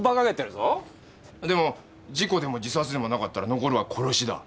でも事故でも自殺でもなかったら残るは殺しだ。